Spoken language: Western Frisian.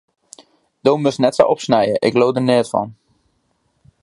Do moatst net sa opsnije, ik leau der neat fan.